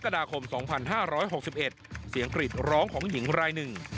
กฎาคม๒๕๖๑เสียงกรีดร้องของหญิงรายหนึ่ง